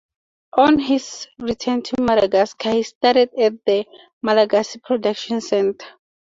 On his return to Madagascar he studied at the Malagasy Production Centre.